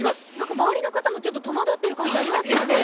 周りの方も戸惑ってる感じありますよね。